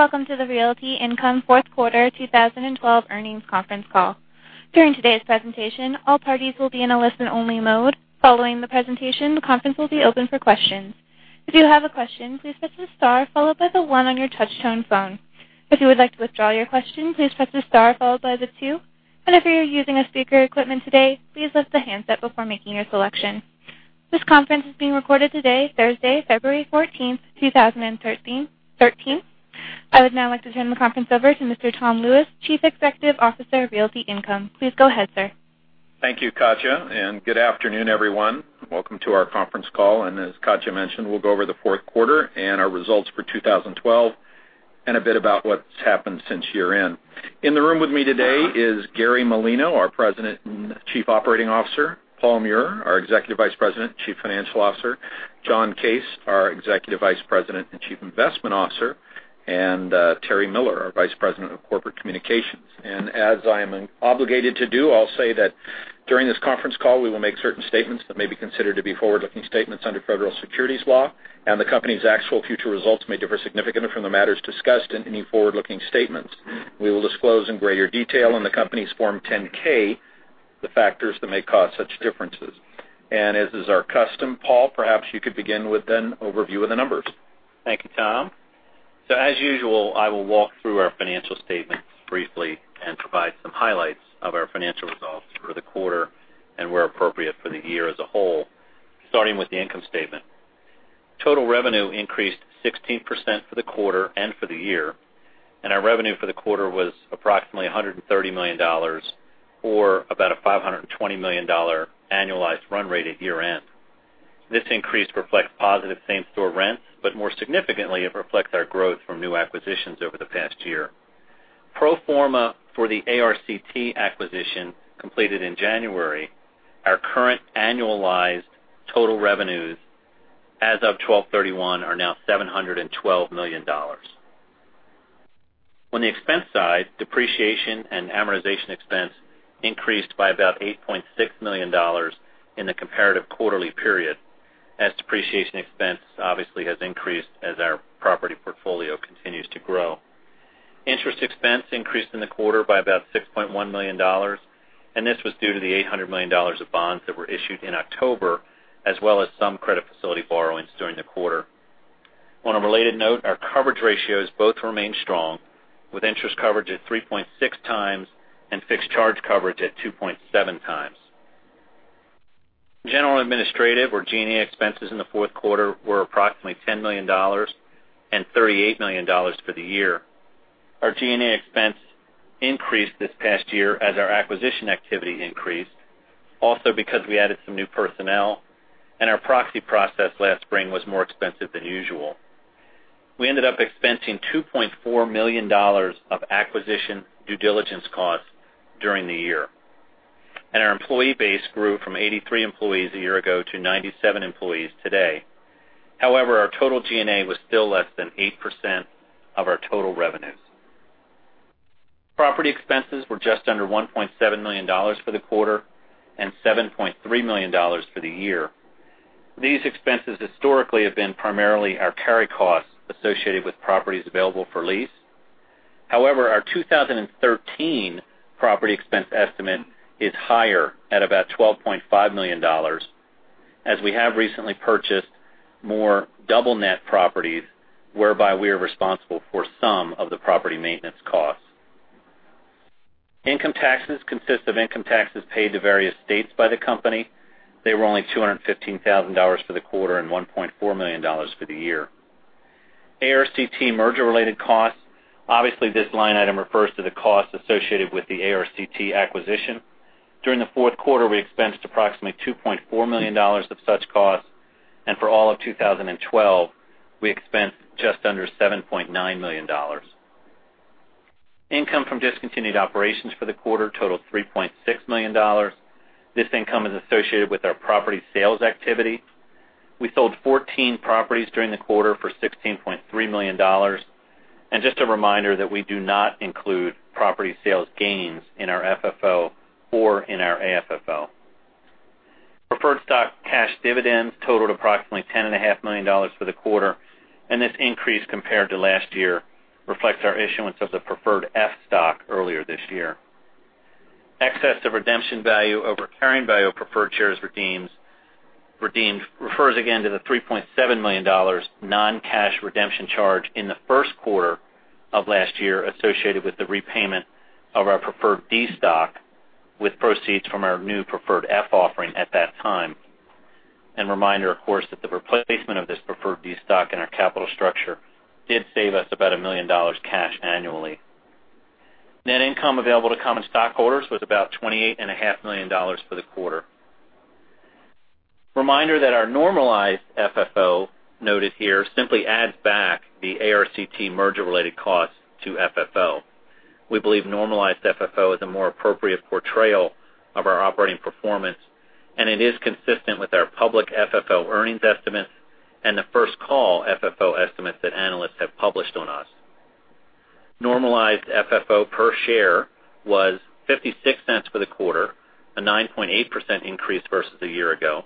Welcome to the Realty Income fourth quarter 2012 earnings conference call. During today's presentation, all parties will be in a listen-only mode. Following the presentation, the conference will be open for questions. If you have a question, please press the star followed by the one on your touch-tone phone. If you would like to withdraw your question, please press the star followed by the two. If you're using speaker equipment today, please lift the handset before making your selection. This conference is being recorded today, Thursday, February 14th, 2013. I would now like to turn the conference over to Mr. Tom Lewis, Chief Executive Officer, Realty Income. Please go ahead, sir. Thank you, Katya. Good afternoon, everyone. Welcome to our conference call. As Katya mentioned, we'll go over the fourth quarter and our results for 2012, a bit about what's happened since year-end. In the room with me today is Gary Malino, our President and Chief Operating Officer, Paul Meurer, our Executive Vice President, Chief Financial Officer, John Case, our Executive Vice President and Chief Investment Officer, and Terry Miller, our Vice President of Corporate Communications. As I am obligated to do, I'll say that during this conference call, we will make certain statements that may be considered to be forward-looking statements under federal securities law, and the company's actual future results may differ significantly from the matters discussed in any forward-looking statements. We will disclose in greater detail on the company's Form 10-K the factors that may cause such differences. As is our custom, Paul, perhaps you could begin with an overview of the numbers. Thank you, Tom. As usual, I will walk through our financial statements briefly and provide some highlights of our financial results for the quarter and where appropriate, for the year as a whole, starting with the income statement. Total revenue increased 16% for the quarter and for the year, our revenue for the quarter was approximately $130 million, or about a $520 million annualized run rate at year-end. This increase reflects positive same-store rents, but more significantly, it reflects our growth from new acquisitions over the past year. Pro forma for the ARCT acquisition completed in January, our current annualized total revenues as of 12/31 are now $712 million. On the expense side, depreciation and amortization expense increased by about $8.6 million in the comparative quarterly period, as depreciation expense obviously has increased as our property portfolio continues to grow. Interest expense increased in the quarter by about $6.1 million. This was due to the $800 million of bonds that were issued in October, as well as some credit facility borrowings during the quarter. On a related note, our coverage ratios both remained strong, with interest coverage at 3.6 times and fixed charge coverage at 2.7 times. General and administrative or G&A expenses in the fourth quarter were approximately $10 million and $38 million for the year. Our G&A expense increased this past year as our acquisition activity increased, also because we added some new personnel and our proxy process last spring was more expensive than usual. We ended up expensing $2.4 million of acquisition due diligence costs during the year. Our employee base grew from 83 employees a year ago to 97 employees today. However, our total G&A was still less than 8% of our total revenues. Property expenses were just under $1.7 million for the quarter and $7.3 million for the year. These expenses historically have been primarily our carry costs associated with properties available for lease. However, our 2013 property expense estimate is higher at about $12.5 million, as we have recently purchased more double net properties whereby we are responsible for some of the property maintenance costs. Income taxes consist of income taxes paid to various states by the company. They were only $215,000 for the quarter and $1.4 million for the year. ARCT merger-related costs. This line item refers to the costs associated with the ARCT acquisition. During the fourth quarter, we expensed approximately $2.4 million of such costs. For all of 2012, we expensed just under $7.9 million. Income from discontinued operations for the quarter totaled $3.6 million. This income is associated with our property sales activity. We sold 14 properties during the quarter for $16.3 million. Just a reminder that we do not include property sales gains in our FFO or in our AFFO. Preferred stock cash dividends totaled approximately $10.5 million for the quarter. This increase compared to last year reflects our issuance of the preferred F stock earlier this year. Excess of redemption value over carrying value of preferred shares redeemed refers again to the $3.7 million non-cash redemption charge in the first quarter of last year associated with the repayment of our preferred D stock with proceeds from our new preferred F offering at that time. Reminder, of course, that the replacement of this preferred D stock in our capital structure did save us about a million dollars cash annually. Net income available to common stockholders was about $28.5 million for the quarter. Reminder that our normalized FFO noted here simply adds back the ARCT merger-related costs to FFO. We believe normalized FFO is a more appropriate portrayal of our operating performance, and it is consistent with our public FFO earnings estimates and the First Call FFO estimates that analysts have published on us. Normalized FFO per share was $0.56 for the quarter, a 9.8% increase versus a year ago.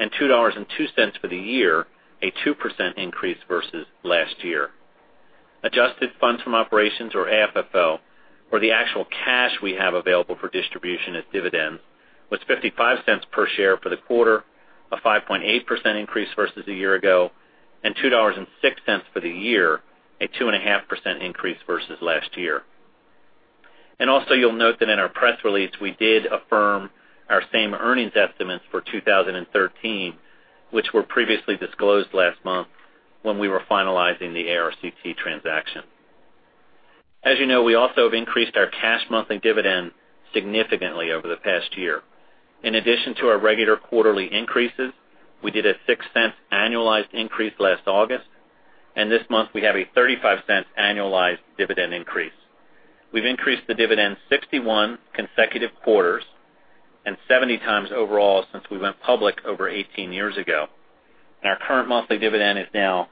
$2.02 for the year, a 2% increase versus last year. Adjusted funds from operations, or AFFO, or the actual cash we have available for distribution as dividends, was $0.55 per share for the quarter, a 5.8% increase versus a year ago. $2.06 for the year, a 2.5% increase versus last year. Also, you'll note that in our press release, we did affirm our same earnings estimates for 2013, which were previously disclosed last month when we were finalizing the ARCT transaction. As you know, we also have increased our cash monthly dividend significantly over the past year. In addition to our regular quarterly increases, we did a $0.06 annualized increase last August, and this month we have a $0.35 annualized dividend increase. We've increased the dividend 61 consecutive quarters and 70 times overall since we went public over 18 years ago. Our current monthly dividend is now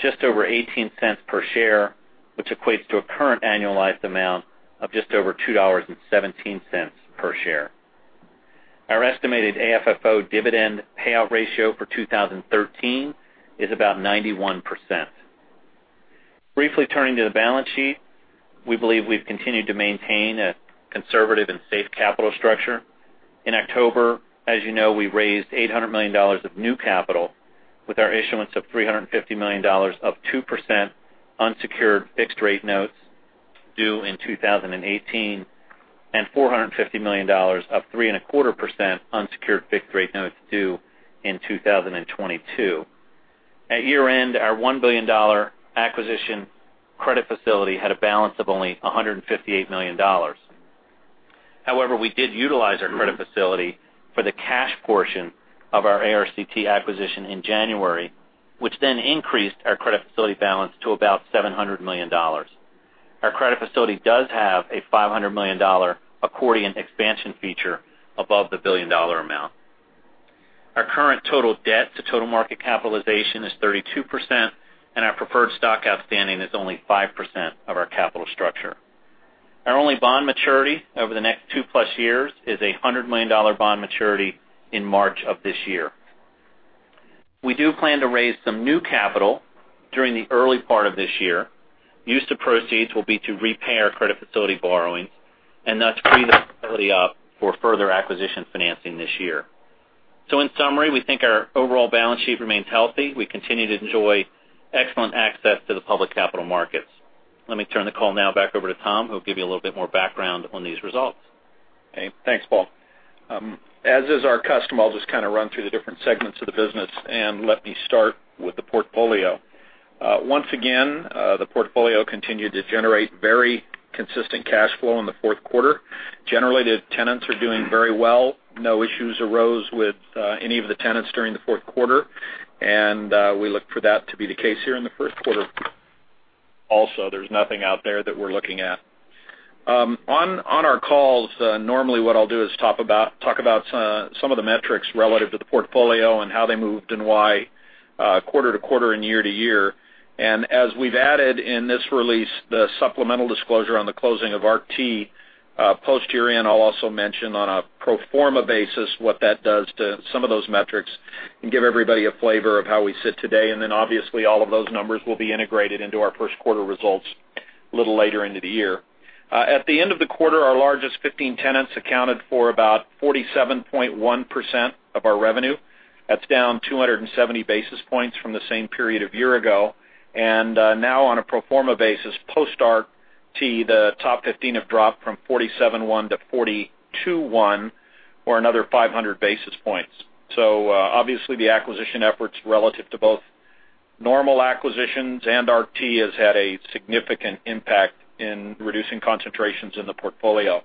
just over $0.18 per share, which equates to a current annualized amount of just over $2.17 per share. Our estimated AFFO dividend payout ratio for 2013 is about 91%. Briefly turning to the balance sheet. We believe we've continued to maintain a conservative and safe capital structure. In October, as you know, we raised $800 million of new capital with our issuance of $350 million of 2% unsecured fixed-rate notes due in 2018 and $450 million of 3.25% unsecured fixed-rate notes due in 2022. At year-end, our $1 billion acquisition credit facility had a balance of only $158 million. However, we did utilize our credit facility for the cash portion of our ARCT acquisition in January, which then increased our credit facility balance to about $700 million. Our credit facility does have a $500 million accordion expansion feature above the billion-dollar amount. Our current total debt to total market capitalization is 32%, and our preferred stock outstanding is only 5% of our capital structure. Our only bond maturity over the next two-plus years is a $100 million bond maturity in March of this year. We do plan to raise some new capital during the early part of this year. Use of proceeds will be to repay our credit facility borrowings and thus free the facility up for further acquisition financing this year. In summary, we think our overall balance sheet remains healthy. We continue to enjoy excellent access to the public capital markets. Let me turn the call now back over to Tom, who will give you a little bit more background on these results. Okay, thanks, Paul. As is our custom, I'll just kind of run through the different segments of the business, and let me start with the portfolio. Once again, the portfolio continued to generate very consistent cash flow in the fourth quarter. Generative tenants are doing very well. No issues arose with any of the tenants during the fourth quarter, and we look for that to be the case here in the first quarter. Also, there's nothing out there that we're looking at. On our calls, normally what I'll do is talk about some of the metrics relative to the portfolio and how they moved and why quarter-to-quarter and year-to-year. As we've added in this release, the supplemental disclosure on the closing of ARCT posterior, I'll also mention on a pro forma basis what that does to some of those metrics and give everybody a flavor of how we sit today. Obviously all of those numbers will be integrated into our first quarter results a little later into the year. At the end of the quarter, our largest 15 tenants accounted for about 47.1% of our revenue. That's down 270 basis points from the same period a year ago. Now on a pro forma basis, post RT, the top 15 have dropped from 47.1 to 42.1 or another 500 basis points. Obviously the acquisition efforts relative to both normal acquisitions and RT has had a significant impact in reducing concentrations in the portfolio.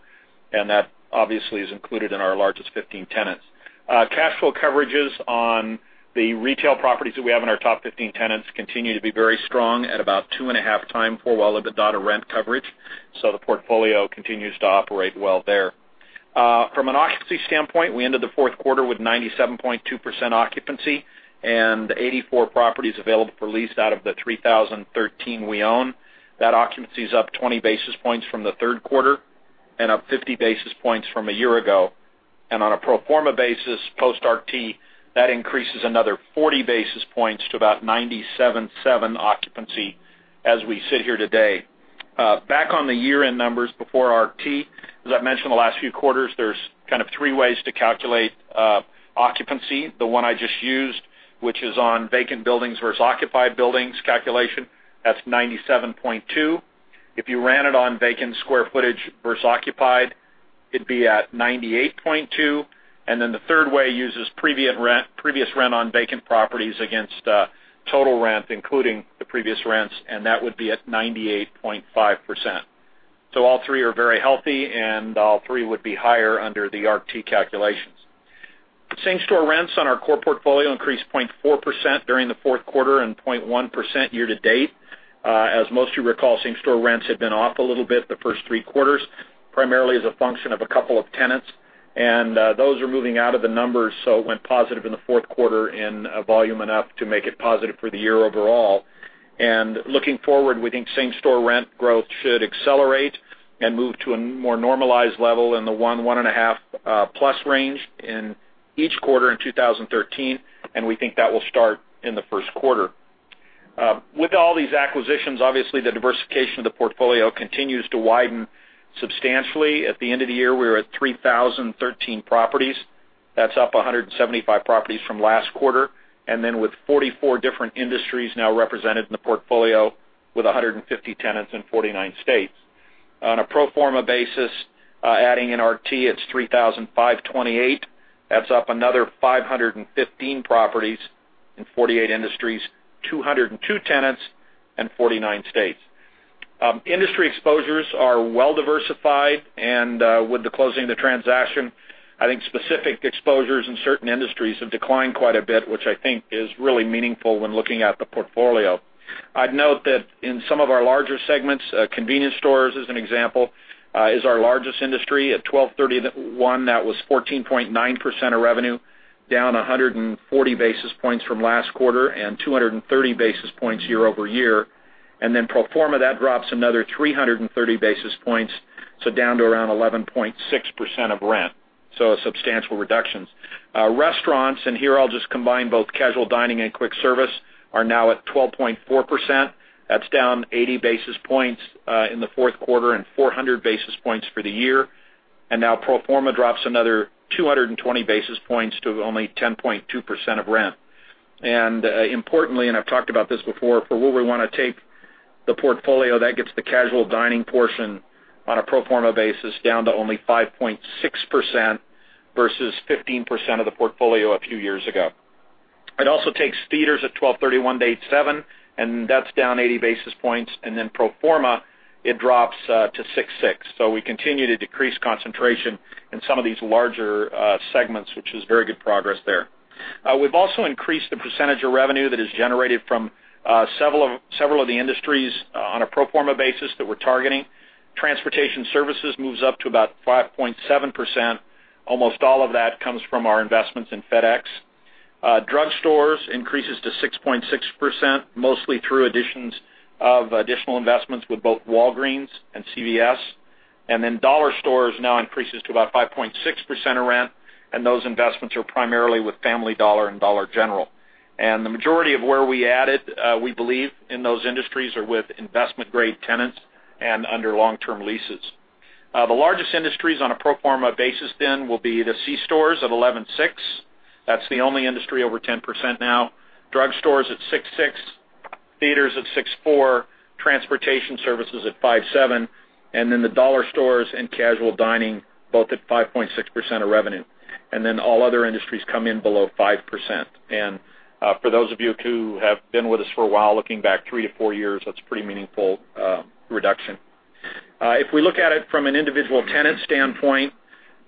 That obviously is included in our largest 15 tenants. Cash flow coverages on the retail properties that we have in our top 15 tenants continue to be very strong at about 2.5 times for well EBITDA rent coverage. The portfolio continues to operate well there. From an occupancy standpoint, we ended the fourth quarter with 97.2% occupancy and 84 properties available for lease out of the 3,013 we own. That occupancy is up 20 basis points from the third quarter and up 50 basis points from a year ago. On a pro forma basis, post RT, that increases another 40 basis points to about 97.7 occupancy as we sit here today. Back on the year-end numbers before RT, as I've mentioned the last few quarters, there's kind of three ways to calculate occupancy. The one I just used, which is on vacant buildings versus occupied buildings calculation, that's 97.2. If you ran it on vacant square footage versus occupied, it'd be at 98.2. The third way uses previous rent on vacant properties against total rent, including the previous rents, and that would be at 98.5%. All three are very healthy, and all three would be higher under the RT calculations. Same-store rents on our core portfolio increased 0.4% during the fourth quarter and 0.1% year-to-date. As most of you recall, same-store rents had been off a little bit the first three quarters, primarily as a function of a couple of tenants. Those are moving out of the numbers, so it went positive in the fourth quarter in volume enough to make it positive for the year overall. Looking forward, we think same-store rent growth should accelerate and move to a more normalized level in the 1.5+ range in each quarter in 2013. We think that will start in the first quarter. With all these acquisitions, obviously, the diversification of the portfolio continues to widen substantially. At the end of the year, we were at 3,013 properties. That's up 175 properties from last quarter, with 44 different industries now represented in the portfolio with 150 tenants in 49 states. On a pro forma basis, adding in RT, it's 3,528. That's up another 515 properties in 48 industries, 202 tenants in 49 states. Industry exposures are well-diversified, and with the closing of the transaction, I think specific exposures in certain industries have declined quite a bit, which I think is really meaningful when looking at the portfolio. I'd note that in some of our larger segments, convenience stores, as an example, is our largest industry. At 12/31, that was 14.9% of revenue, down 140 basis points from last quarter and 230 basis points year-over-year. Pro forma, that drops another 330 basis points, down to around 11.6% of rent. Substantial reductions. Restaurants, and here I'll just combine both casual dining and quick service, are now at 12.4%. That's down 80 basis points in the fourth quarter and 400 basis points for the year. Pro forma drops another 220 basis points to only 10.2% of rent. Importantly, I've talked about this before, for where we want to take the portfolio, that gets the casual dining portion on a pro forma basis down to only 5.6% versus 15% of the portfolio a few years ago. It also takes theaters at 12/31 to 8.7%, and that's down 80 basis points, pro forma, it drops to 6.6%. We continue to decrease concentration in some of these larger segments, which is very good progress there. We've also increased the percentage of revenue that is generated from several of the industries on a pro forma basis that we're targeting. Transportation services moves up to about 5.7%. Almost all of that comes from our investments in FedEx. Drug stores increases to 6.6%, mostly through additions of additional investments with both Walgreens and CVS. Dollar stores now increases to about 5.6% of rent, and those investments are primarily with Family Dollar and Dollar General. The majority of where we added, we believe, in those industries are with investment-grade tenants and under long-term leases. The largest industries on a pro forma basis will be the c-stores at 11.6%. That's the only industry over 10% now. Drug stores at 6.6%, theaters at 6.4%, transportation services at 5.7%, the dollar stores and casual dining both at 5.6% of revenue. All other industries come in below 5%. For those of you who have been with us for a while, looking back three to four years, that's a pretty meaningful reduction. If we look at it from an individual tenant standpoint,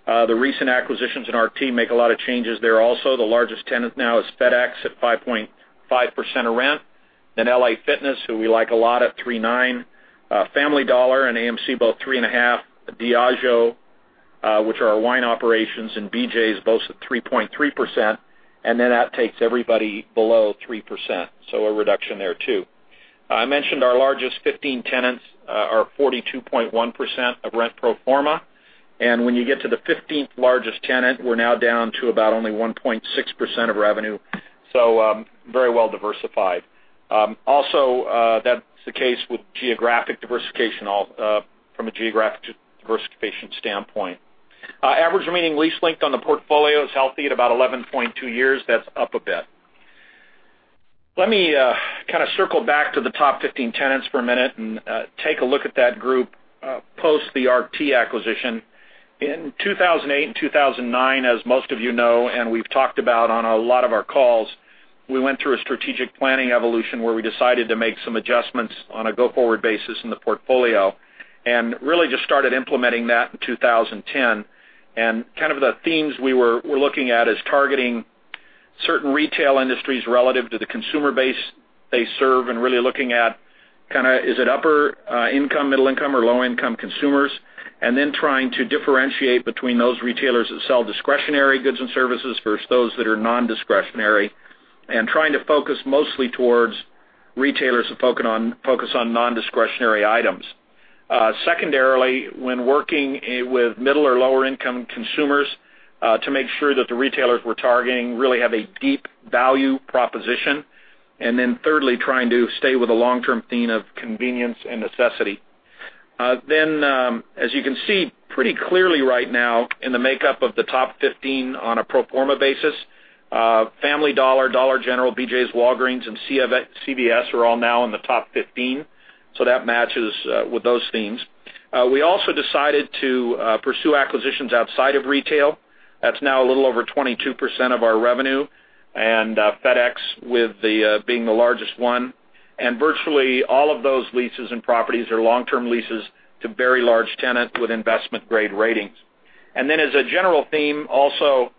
the recent acquisitions in our team make a lot of changes there also. The largest tenant now is FedEx at 5.5% of rent. LA Fitness, who we like a lot, at 3.9%. Family Dollar and AMC both 3.5%. Diageo, which are our wine operations, and BJ's both at 3.3%. That takes everybody below 3%, a reduction there, too. I mentioned our largest 15 tenants are 42.1% of rent pro forma. When you get to the 15th largest tenant, we're now down to about only 1.6% of revenue. Very well-diversified. Also, that's the case from a geographic diversification standpoint. Average remaining lease length on the portfolio is healthy at about 11.2 years. That's up a bit. Let me kind of circle back to the top 15 tenants for a minute and take a look at that group post the ARCT acquisition. In 2008 and 2009, as most of you know and we've talked about on a lot of our calls, we went through a strategic planning evolution where we decided to make some adjustments on a go-forward basis in the portfolio and really just started implementing that in 2010. Kind of the themes we were looking at is targeting certain retail industries relative to the consumer base they serve and really looking at kind of, is it upper income, middle income, or low-income consumers? Trying to differentiate between those retailers that sell discretionary goods and services versus those that are non-discretionary and trying to focus mostly towards retailers that focus on non-discretionary items. Secondarily, when working with middle or lower-income consumers, to make sure that the retailers we're targeting really have a deep value proposition. Thirdly, trying to stay with a long-term theme of convenience and necessity. As you can see pretty clearly right now in the makeup of the top 15 on a pro forma basis, Family Dollar, Dollar General, BJ's, Walgreens, and CVS are all now in the top 15. That matches with those themes. We also decided to pursue acquisitions outside of retail. That's now a little over 22% of our revenue, FedEx with being the largest one. Virtually all of those leases and properties are long-term leases to very large tenants with investment-grade ratings. As a general theme, also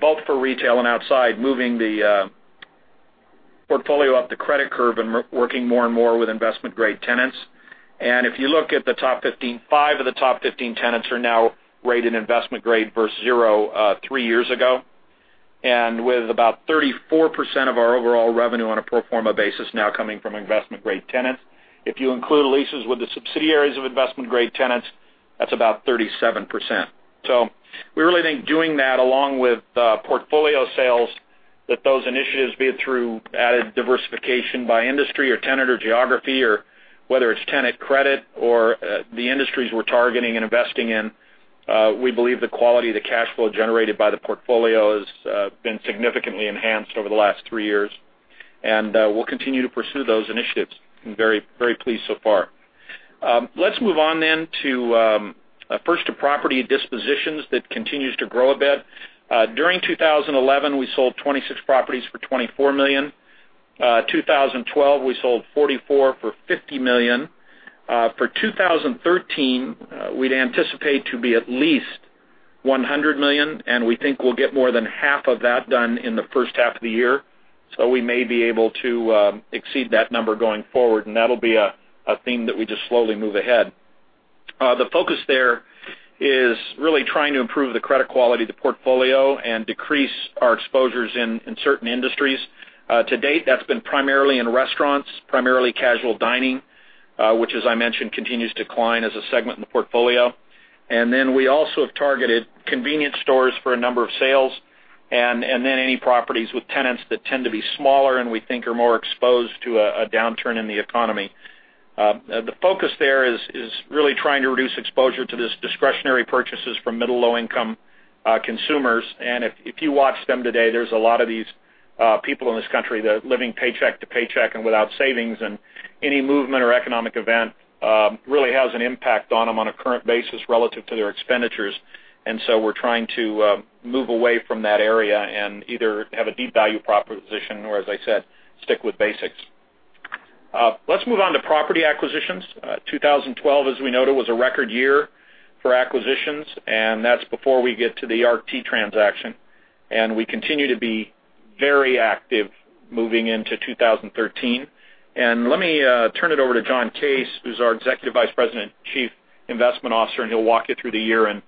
both for retail and outside, moving the portfolio up the credit curve and working more and more with investment-grade tenants. If you look at the top 15, 5 of the top 15 tenants are now rated investment-grade versus zero 3 years ago. With about 34% of our overall revenue on a pro forma basis now coming from investment-grade tenants. If you include leases with the subsidiaries of investment-grade tenants, that's about 37%. We really think doing that along with portfolio sales, that those initiatives, be it through added diversification by industry or tenant or geography, or whether it's tenant credit or the industries we're targeting and investing in, we believe the quality of the cash flow generated by the portfolio has been significantly enhanced over the last 3 years. We'll continue to pursue those initiatives. I'm very pleased so far. Let's move on then to first, to property dispositions that continues to grow a bit. During 2011, we sold 26 properties for $24 million. 2012, we sold 44 for $50 million. For 2013, we'd anticipate to be at least $100 million, and we think we'll get more than half of that done in the first half of the year. We may be able to exceed that number going forward, that'll be a theme that we just slowly move ahead. The focus there is really trying to improve the credit quality of the portfolio and decrease our exposures in certain industries. To date, that's been primarily in restaurants, primarily casual dining, which as I mentioned, continues to decline as a segment in the portfolio. We also have targeted convenience stores for a number of sales and then any properties with tenants that tend to be smaller and we think are more exposed to a downturn in the economy. The focus there is really trying to reduce exposure to this discretionary purchases from middle-low income consumers. If you watch them today, there's a lot of these people in this country that are living paycheck to paycheck and without savings, and any movement or economic event really has an impact on them on a current basis relative to their expenditures. We're trying to move away from that area and either have a deep value proposition or, as I said, stick with basics. Let's move on to property acquisitions. 2012, as we noted, was a record year for acquisitions, and that's before we get to the ARCT transaction. We continue to be very active moving into 2013. Let me turn it over to John Case, who's our Executive Vice President, Chief Investment Officer, and he'll walk you through the year and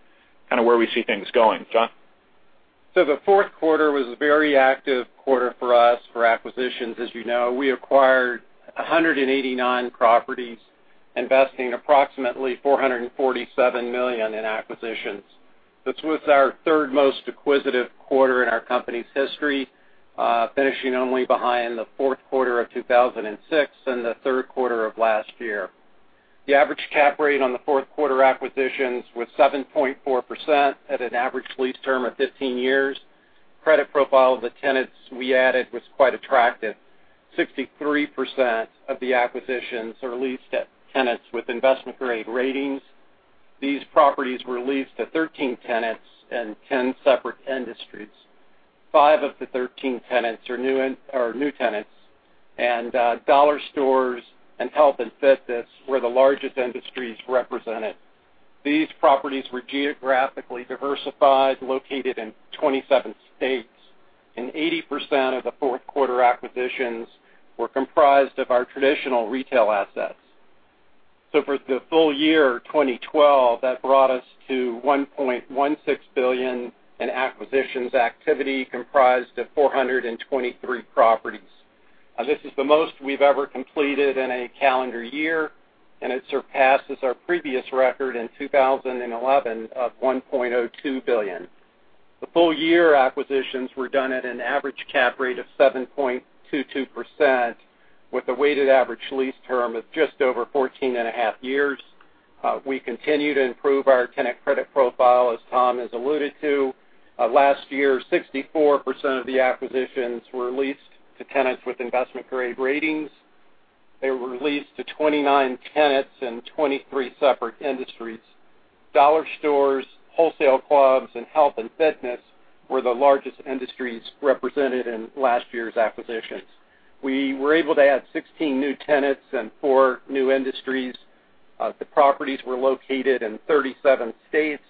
kind of where we see things going. John? The fourth quarter was a very active quarter for us for acquisitions. As you know, we acquired 189 properties, investing approximately $447 million in acquisitions. This was our third-most acquisitive quarter in our company's history, finishing only behind the fourth quarter of 2006 and the third quarter of last year. The average cap rate on the fourth quarter acquisitions was 7.4% at an average lease term of 15 years. Credit profile of the tenants we added was quite attractive. 63% of the acquisitions are leased at tenants with investment-grade ratings. These properties were leased to 13 tenants in 10 separate industries. Five of the 13 tenants are new tenants, and dollar stores and health and fitness were the largest industries represented. These properties were geographically diversified, located in 27 states. 80% of the fourth quarter acquisitions were comprised of our traditional retail assets. For the full year 2012, that brought us to $1.16 billion in acquisitions activity comprised of 423 properties. This is the most we've ever completed in a calendar year. It surpasses our previous record in 2011 of $1.02 billion. The full-year acquisitions were done at an average cap rate of 7.22%, with a weighted average lease term of just over 14 and a half years. We continue to improve our tenant credit profile, as Tom has alluded to. Last year, 64% of the acquisitions were leased to tenants with investment-grade ratings. They were leased to 29 tenants in 23 separate industries. Dollar stores, wholesale clubs, and health and fitness were the largest industries represented in last year's acquisitions. We were able to add 16 new tenants and four new industries. The properties were located in 37 states.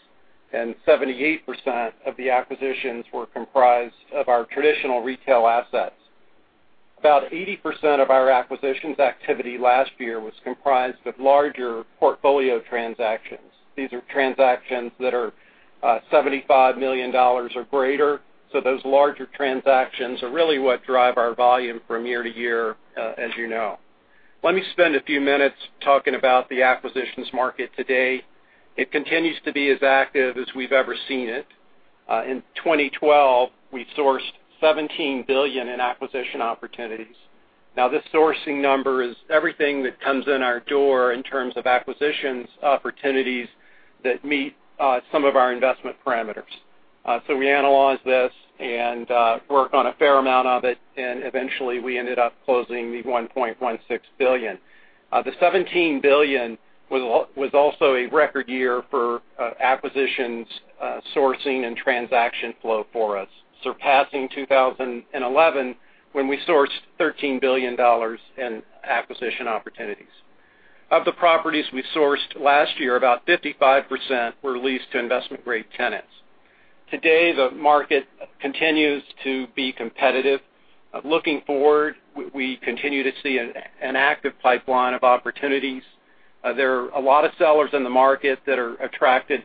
78% of the acquisitions were comprised of our traditional retail assets. About 80% of our acquisitions activity last year was comprised of larger portfolio transactions. These are transactions that are $75 million or greater. Those larger transactions are really what drive our volume from year to year, as you know. Let me spend a few minutes talking about the acquisitions market today. It continues to be as active as we've ever seen it. In 2012, we sourced $17 billion in acquisition opportunities. Now, this sourcing number is everything that comes in our door in terms of acquisitions opportunities that meet some of our investment parameters. We analyze this and work on a fair amount of it. Eventually, we ended up closing the $1.16 billion. The $17 billion was also a record year for acquisitions, sourcing, and transaction flow for us, surpassing 2011, when we sourced $13 billion in acquisition opportunities. Of the properties we sourced last year, about 55% were leased to investment-grade tenants. Today, the market continues to be competitive. Looking forward, we continue to see an active pipeline of opportunities. There are a lot of sellers in the market that are attracted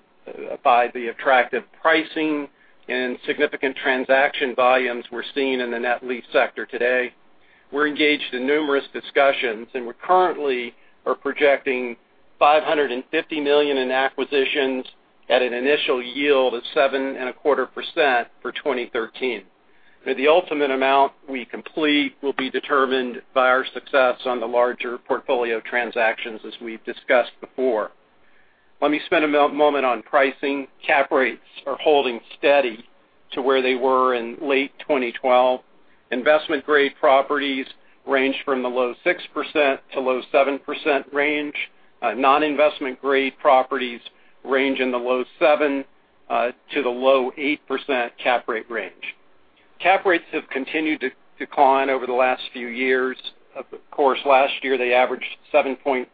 by the attractive pricing and significant transaction volumes we're seeing in the net lease sector today. We're engaged in numerous discussions, and we currently are projecting $550 million in acquisitions at an initial yield of 7.25% for 2013. The ultimate amount we complete will be determined by our success on the larger portfolio transactions, as we've discussed before. Let me spend a moment on pricing. Cap rates are holding steady to where they were in late 2012. Investment-grade properties range from the low 6%-7% range. Non-investment grade properties range in the low 7%-8% cap rate range. Cap rates have continued to decline over the last few years. Of course, last year, they averaged 7.2%.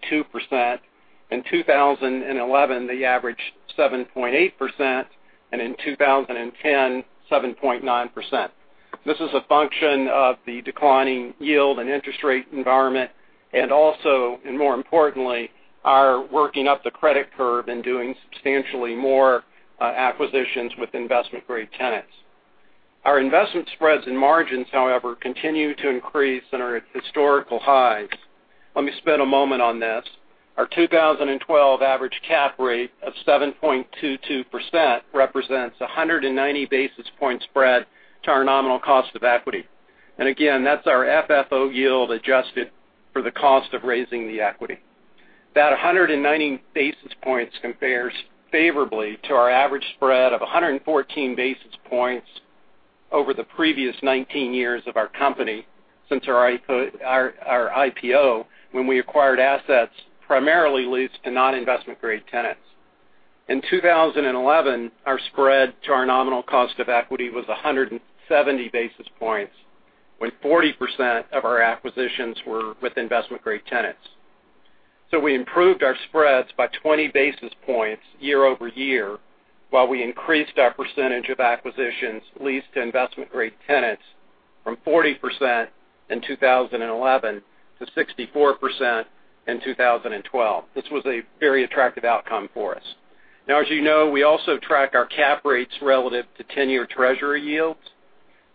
In 2011, they averaged 7.8%, and in 2010, 7.9%. This is a function of the declining yield and interest rate environment, also, more importantly, our working up the credit curve and doing substantially more acquisitions with investment-grade tenants. Our investment spreads and margins, however, continue to increase and are at historical highs. Let me spend a moment on this. Our 2012 average cap rate of 7.22% represents 190-basis point spread to our nominal cost of equity. Again, that's our FFO yield adjusted for the cost of raising the equity. That 190 basis points compares favorably to our average spread of 114 basis points over the previous 19 years of our company since our IPO, when we acquired assets, primarily leased to non-investment-grade tenants. In 2011, our spread to our nominal cost of equity was 170 basis points, when 40% of our acquisitions were with investment-grade tenants. We improved our spreads by 20 basis points year-over-year, while we increased our percentage of acquisitions leased to investment-grade tenants from 40% in 2011 to 64% in 2012. This was a very attractive outcome for us. Now, as you know, we also track our cap rates relative to 10-year Treasury yields.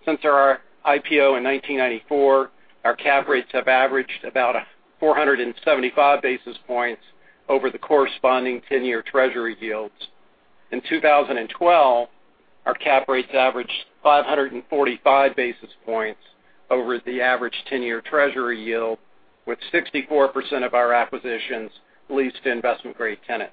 Since our IPO in 1994, our cap rates have averaged about 475 basis points over the corresponding 10-year Treasury yields. In 2012, our cap rates averaged 545 basis points over the average 10-year Treasury yield, with 64% of our acquisitions leased to investment-grade tenants.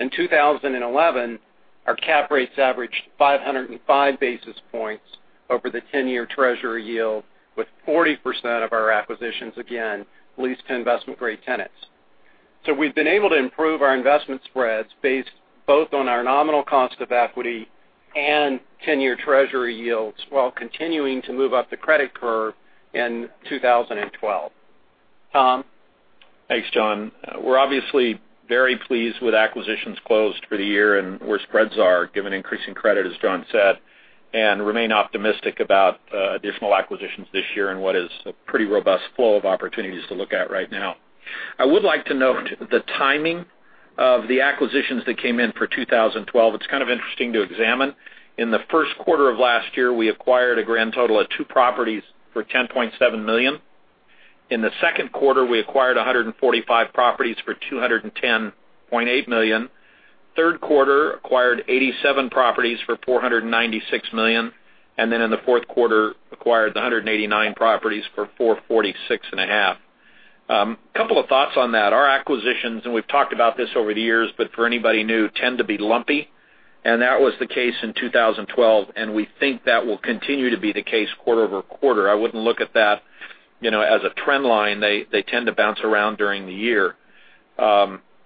In 2011, our cap rates averaged 505 basis points over the 10-year Treasury yield, with 40% of our acquisitions, again, leased to investment-grade tenants. We've been able to improve our investment spreads based both on our nominal cost of equity and 10-year Treasury yields while continuing to move up the credit curve in 2012. Tom? Thanks, John. We're obviously very pleased with acquisitions closed for the year and where spreads are, given increasing credit, as John said, and remain optimistic about additional acquisitions this year and what is a pretty robust flow of opportunities to look at right now. I would like to note the timing of the acquisitions that came in for 2012. It's kind of interesting to examine. In the first quarter of last year, we acquired a grand total of two properties for $10.7 million. In the second quarter, we acquired 145 properties for $210.8 million. Third quarter, acquired 87 properties for $496 million, in the fourth quarter, acquired 189 properties for $446.5 million. Couple of thoughts on that. Our acquisitions, and we've talked about this over the years, but for anybody new, tend to be lumpy, and that was the case in 2012, and we think that will continue to be the case quarter-over-quarter. I wouldn't look at that as a trend line. They tend to bounce around during the year.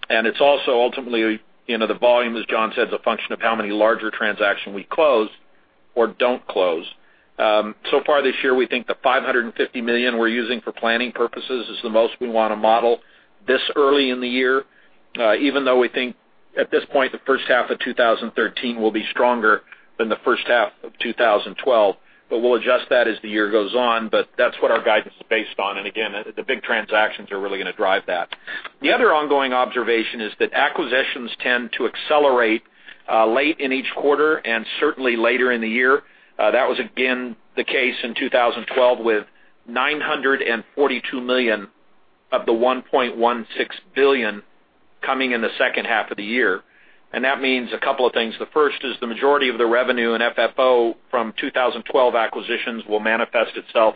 It's also ultimately, the volume, as John said, is a function of how many larger transaction we close or don't close. So far this year, we think the $550 million we're using for planning purposes is the most we want to model this early in the year, even though we think at this point, the first half of 2013 will be stronger than the first half of 2012. We'll adjust that as the year goes on. That's what our guidance is based on. Again, the big transactions are really going to drive that. The other ongoing observation is that acquisitions tend to accelerate late in each quarter and certainly later in the year. That was again the case in 2012, with $942 million of the $1.16 billion coming in the second half of the year. That means a couple of things. The first is the majority of the revenue in FFO from 2012 acquisitions will manifest itself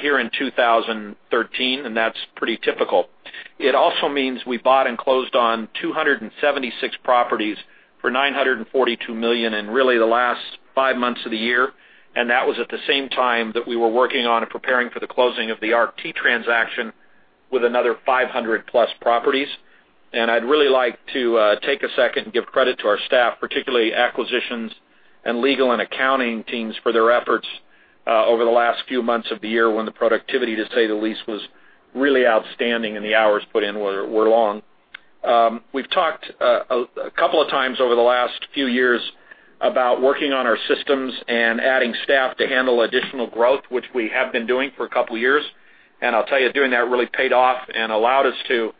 here in 2013, and that's pretty typical. It also means we bought and closed on 276 properties for $942 million in really the last five months of the year, and that was at the same time that we were working on and preparing for the closing of the ARCT transaction with another 500-plus properties. I'd really like to take a second and give credit to our staff, particularly acquisitions and legal and accounting teams, for their efforts over the last few months of the year when the productivity, to say the least, was really outstanding and the hours put in were long. We've talked a couple of times over the last few years about working on our systems and adding staff to handle additional growth, which we have been doing for a couple of years. I'll tell you, doing that really paid off and allowed us to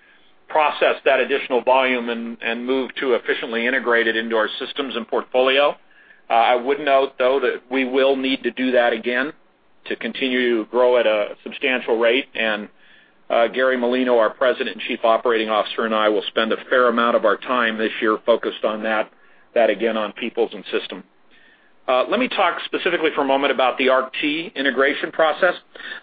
process that additional volume and move to efficiently integrate it into our systems and portfolio. I would note, though, that we will need to do that again to continue to grow at a substantial rate. Gary Mulino, our President and Chief Operating Officer, and I will spend a fair amount of our time this year focused on that again, on peoples and system. Let me talk specifically for a moment about the ARCT integration process.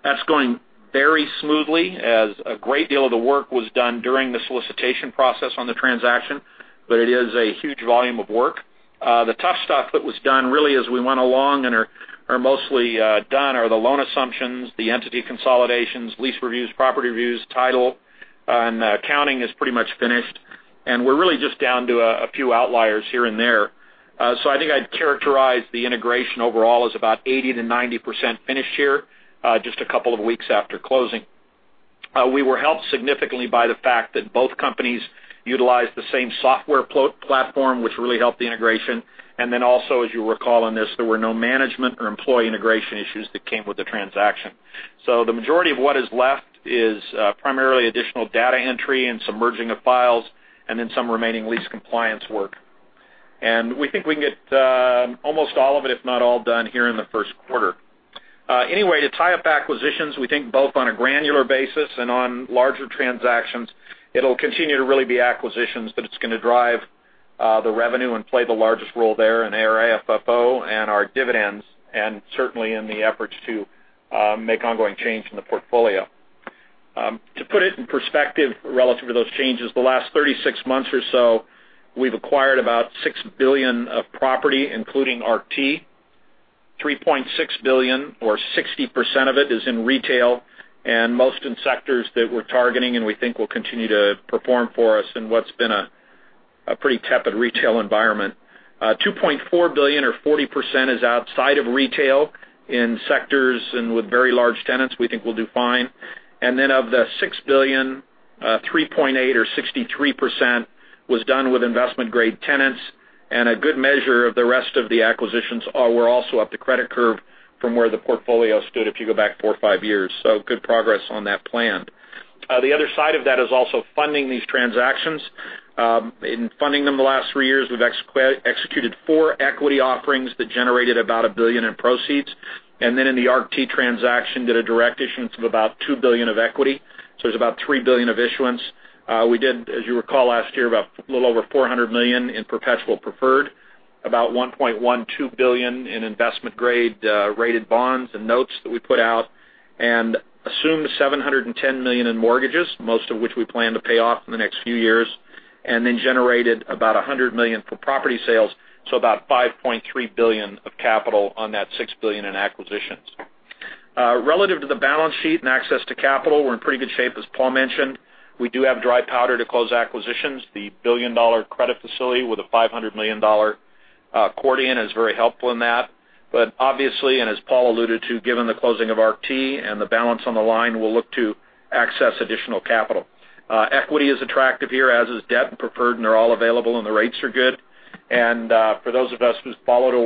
That's going very smoothly as a great deal of the work was done during the solicitation process on the transaction, but it is a huge volume of work. The tough stuff that was done really as we went along and are mostly done are the loan assumptions, the entity consolidations, lease reviews, property reviews, title, and accounting is pretty much finished. We're really just down to a few outliers here and there. I think I'd characterize the integration overall as about 80%-90% finished here, just a couple of weeks after closing. We were helped significantly by the fact that both companies utilized the same software platform, which really helped the integration. Then also, as you'll recall on this, there were no management or employee integration issues that came with the transaction. The majority of what is left is primarily additional data entry and some merging of files, and then some remaining lease compliance work. We think we can get almost all of it, if not all, done here in the first quarter. Anyway, to tie up acquisitions, we think both on a granular basis and on larger transactions, it'll continue to really be acquisitions, but it's going to drive the revenue and play the largest role there in AFFO and our dividends, and certainly in the efforts to make ongoing change in the portfolio. To put it in perspective relative to those changes, the last 36 months or so, we've acquired about $6 billion of property, including ARCT. $3.6 billion or 60% of it is in retail, and most in sectors that we're targeting and we think will continue to perform for us in what's been a pretty tepid retail environment. $2.4 billion or 40% is outside of retail in sectors and with very large tenants we think will do fine. Then of the $6 billion, $3.8 billion or 63% was done with investment-grade tenants. A good measure of the rest of the acquisitions were also up the credit curve from where the portfolio stood if you go back four or five years. Good progress on that plan. The other side of that is also funding these transactions. In funding them the last three years, we've executed four equity offerings that generated about $1 billion in proceeds. Then in the ARCT transaction, did a direct issuance of about $2 billion of equity. There's about $3 billion of issuance. We did, as you recall last year, about a little over $400 million in perpetual preferred, about $1.12 billion in investment-grade rated bonds and notes that we put out. Assumed $710 million in mortgages, most of which we plan to pay off in the next few years. Then generated about $100 million for property sales, about $5.3 billion of capital on that $6 billion in acquisitions. Relative to the balance sheet and access to capital, we're in pretty good shape, as Paul mentioned. We do have dry powder to close acquisitions. The $1 billion credit facility with a $500 million accordion is very helpful in that. Obviously, and as Paul alluded to, given the closing of ARCT and the balance on the line, we'll look to access additional capital. Equity is attractive here, as is debt and preferred, and they're all available and the rates are good. For those of us who've followed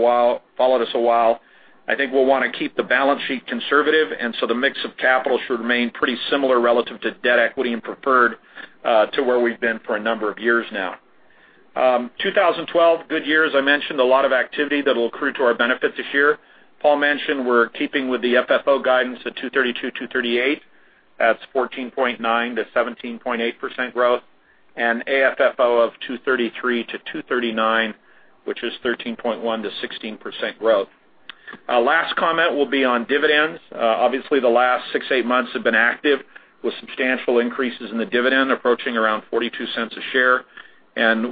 us a while, I think we'll want to keep the balance sheet conservative, the mix of capital should remain pretty similar relative to debt, equity, and preferred, to where we've been for a number of years now. 2012, good year, as I mentioned, a lot of activity that will accrue to our benefit this year. Paul mentioned we're keeping with the FFO guidance at $2.32-$2.38. That's 14.9%-17.8% growth, and AFFO of $2.33-$2.39, which is 13.1%-16% growth. Our last comment will be on dividends. Obviously, the last six, eight months have been active with substantial increases in the dividend approaching around $0.42 a share.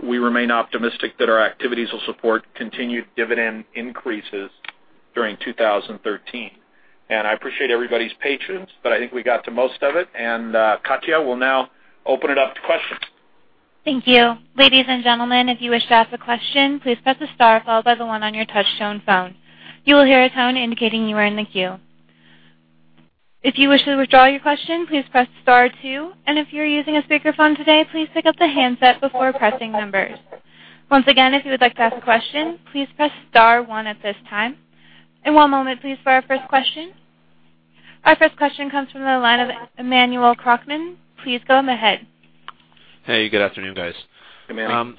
We remain optimistic that our activities will support continued dividend increases during 2013. I appreciate everybody's patience, I think we got to most of it, Katya will now open it up to questions. Thank you. Ladies and gentlemen, if you wish to ask a question, please press the star followed by the 1 on your touch-tone phone. You will hear a tone indicating you are in the queue. If you wish to withdraw your question, please press star 2, if you're using a speakerphone today, please pick up the handset before pressing numbers. Once again, if you would like to ask a question, please press star 1 at this time. One moment please for our first question. Our first question comes from the line of Emmanuel Korchman. Please go ahead. Hey, good afternoon, guys. Hey,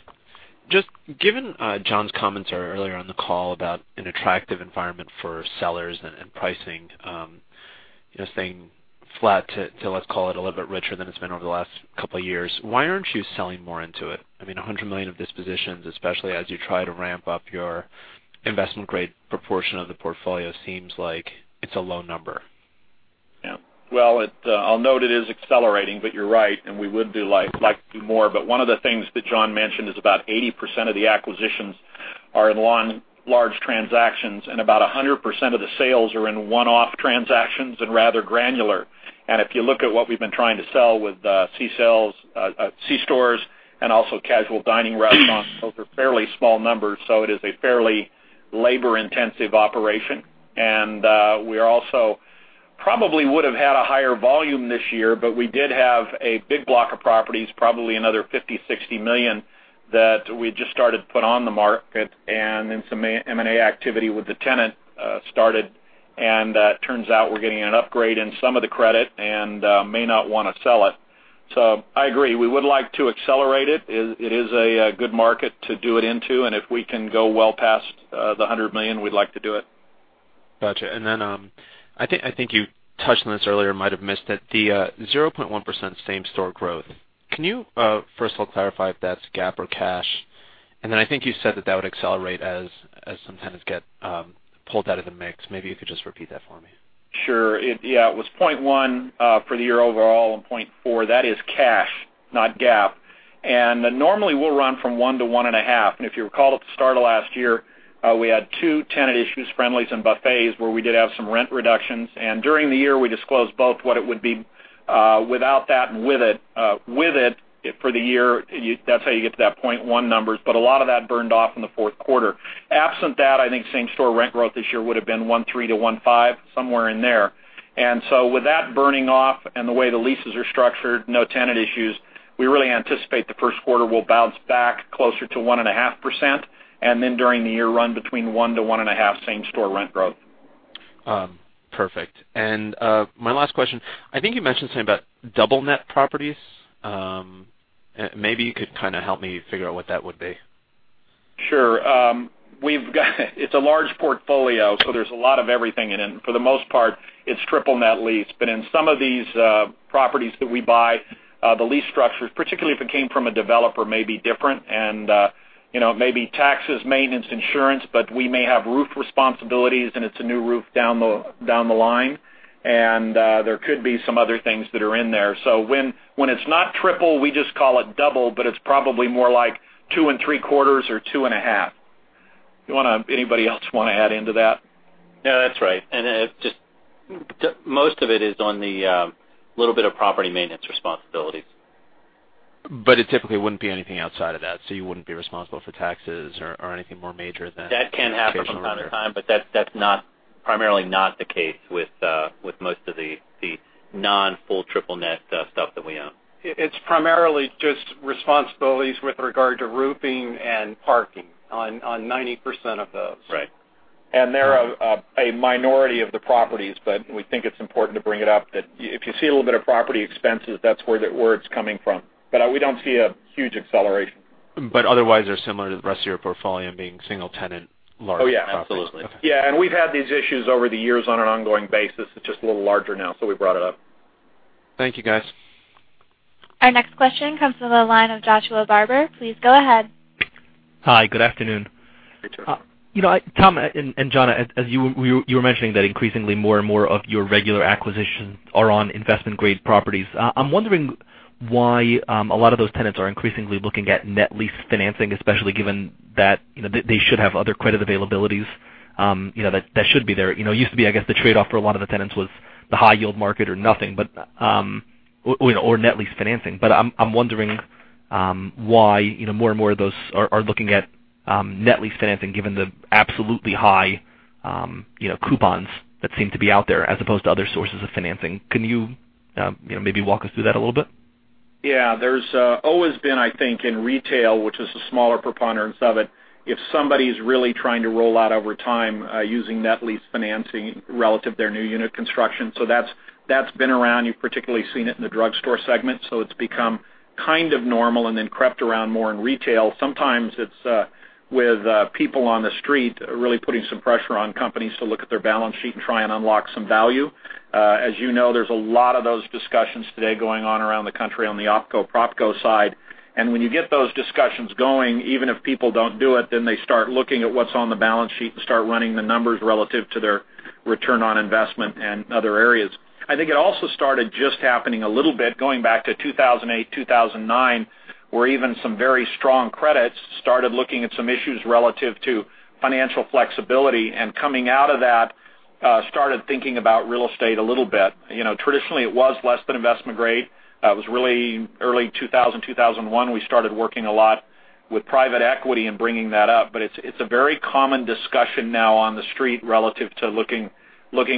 Emmanuel. Just given John's commentary earlier on the call about an attractive environment for sellers and pricing staying flat to, let's call it, a little bit richer than it's been over the last couple of years, why aren't you selling more into it? I mean, $100 million of dispositions, especially as you try to ramp up your investment-grade proportion of the portfolio, seems like it's a low number. Well, I'll note it is accelerating, but you're right, and we would like to do more. One of the things that John mentioned is about 80% of the acquisitions are in large transactions, and about 100% of the sales are in one-off transactions and rather granular. If you look at what we've been trying to sell with c-stores and also casual dining restaurants, those are fairly small numbers, so it is a fairly labor-intensive operation. We are also Probably would have had a higher volume this year, but we did have a big block of properties, probably another $50 million-$60 million that we just started to put on the market and then some M&A activity with the tenant started, and turns out we're getting an upgrade in some of the credit and may not want to sell it. I agree. We would like to accelerate it. It is a good market to do it into, if we can go well past the $100 million, we'd like to do it. Got you. Then I think you touched on this earlier, might have missed it, the 0.1% same-store growth. Can you first of all clarify if that's GAAP or cash? Then I think you said that that would accelerate as some tenants get pulled out of the mix. Maybe you could just repeat that for me. Sure. Yeah, it was 0.1% for the year overall and 0.4%. That is cash, not GAAP. Normally, we'll run from 1% to 1.5%. If you recall at the start of last year, we had two tenant issues, Friendly's and Buffets, where we did have some rent reductions, and during the year, we disclosed both what it would be without that and with it. With it, for the year, that's how you get to that 0.1% numbers, but a lot of that burned off in the fourth quarter. Absent that, I think same-store rent growth this year would have been 1.3%-1.5%, somewhere in there. With that burning off and the way the leases are structured, no tenant issues, we really anticipate the first quarter will bounce back closer to 1.5%, and during the year run between 1% to 1.5% same-store rent growth. Perfect. My last question, I think you mentioned something about double net properties. Maybe you could kind of help me figure out what that would be. Sure. It's a large portfolio, so there's a lot of everything in it. For the most part, it's triple net lease. In some of these properties that we buy, the lease structures, particularly if it came from a developer, may be different and it may be taxes, maintenance, insurance, but we may have roof responsibilities, and it's a new roof down the line. There could be some other things that are in there. When it's not triple, we just call it double, but it's probably more like two and three quarters or two and a half. Anybody else want to add into that? Yeah, that's right. Most of it is on the little bit of property maintenance responsibilities. It typically wouldn't be anything outside of that, so you wouldn't be responsible for taxes or anything more major than. That can happen from time to time, but that's primarily not the case with most of the non-full triple net stuff that we own. It's primarily just responsibilities with regard to roofing and parking on 90% of those. Right. They're a minority of the properties, we think it's important to bring it up that if you see a little bit of property expenses, that's where it's coming from. We don't see a huge acceleration. Otherwise, they're similar to the rest of your portfolio being single tenant, large properties. Oh, yeah. Absolutely. Absolutely. Yeah, we've had these issues over the years on an ongoing basis. It's just a little larger now, we brought it up. Thank you, guys. Our next question comes from the line of Joshua Barber. Please go ahead. Hi. Good afternoon. Hey, Josh. Tom and John, as you were mentioning that increasingly more and more of your regular acquisitions are on investment-grade properties, I'm wondering why a lot of those tenants are increasingly looking at net lease financing, especially given that they should have other credit availabilities that should be there. It used to be, I guess, the trade-off for a lot of the tenants was the high yield market or nothing, or net lease financing. I'm wondering why more and more of those are looking at net lease financing given the absolutely high coupons that seem to be out there as opposed to other sources of financing. Can you maybe walk us through that a little bit? Yeah. There's always been, I think, in retail, which is a smaller preponderance of it, if somebody's really trying to roll out over time using net lease financing relative to their new unit construction. That's been around. You've particularly seen it in the drugstore segment. It's become kind of normal and then crept around more in retail. Sometimes it's with people on the street really putting some pressure on companies to look at their balance sheet and try and unlock some value. As you know, there's a lot of those discussions today going on around the country on the OpCo, PropCo side. When you get those discussions going, even if people don't do it, they start looking at what's on the balance sheet and start running the numbers relative to their return on investment and other areas. I think it also started just happening a little bit, going back to 2008, 2009, where even some very strong credits started looking at some issues relative to financial flexibility, and coming out of that, started thinking about real estate a little bit. Traditionally, it was less than investment grade. It was really early 2000, 2001, we started working a lot with private equity and bringing that up. It's a very common discussion now on the street relative to looking